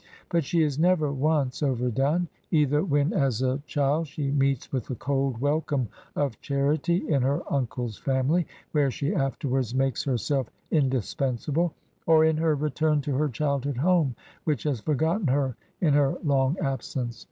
But she is never once overdone, either when as a child she meets with the cold welcome of charity in her uncle's family, where she afterwards makes herself indispensable, or in her return to her childhood home, which has forgotten her in her long absence.